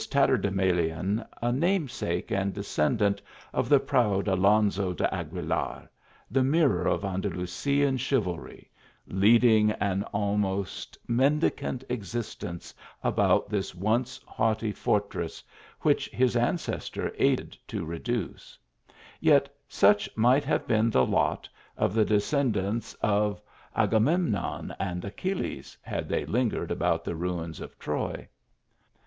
tatterdemalion a namesake and descendant of the proud Alonzo de Aguilar, the mirror of Andalusian chivalry, leading an almost mendicant existence about this once haughty fjr tress, which his ancestor aided to reduce ; yet cuch mi^ht have been the lot of the descendants of Acra TB OF THE ALHAMBRA. C9 rv..:mnon and Achilles, had they lingered about the ruins of Troy.